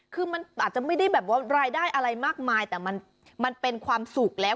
คือมันอาจจะไม่ได้แบบว่ารายได้อะไรมากมายแต่มันเป็นความสุขแล้ว